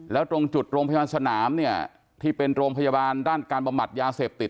แล้วตรงจุดโรงพยาบาลสนามเนี่ยที่เป็นโรงพยาบาลด้านการบำบัดยาเสพติด